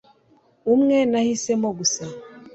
Umwe nahisemo gusa…